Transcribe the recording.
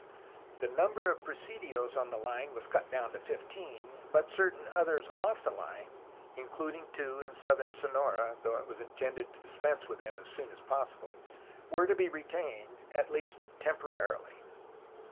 The number of presidios on the line was cut down to fifteen, but certain others off the line (including two in southern Sonora, although it was intended to dispense with them as soon as possible) were to be retained, at least temporarily.